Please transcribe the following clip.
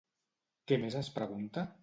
Què més es pregunta?